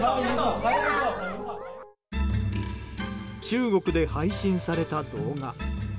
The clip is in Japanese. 中国で配信された動画。